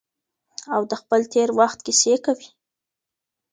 او د خپل تیر وخت کیسې کوي.